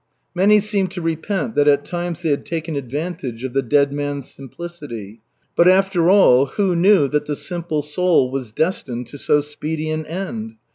Many seemed to repent that at times they had taken advantage of the dead man's simplicity but after all, who knew that the simple soul was destined to so speedy an end?